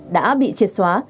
đã bị triệt xóa